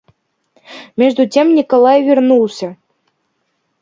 Между тем Николай вернулся.